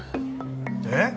えっ？